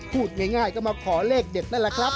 พูดง่ายก็มาขอเลขเด็ดนั่นแหละครับ